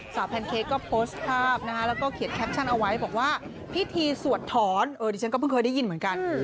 แพนเค้กก็โพสต์ภาพนะคะแล้วก็เขียนแคปชั่นเอาไว้บอกว่าพิธีสวดถอนดิฉันก็เพิ่งเคยได้ยินเหมือนกัน